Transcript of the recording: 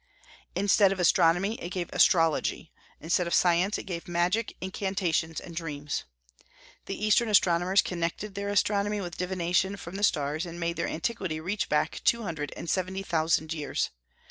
Instead of astronomy, it gave astrology; instead of science, it gave magic, incantations, and dreams. The Eastern astronomers connected their astronomy with divination from the stars, and made their antiquity reach back to two hundred and seventy thousand years.